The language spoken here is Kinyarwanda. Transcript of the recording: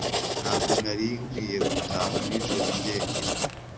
Ntabwo nari nkwiye gutaha nijoro jyenyine.